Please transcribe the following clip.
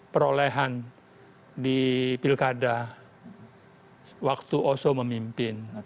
perolehan di pilkada waktu oso memimpin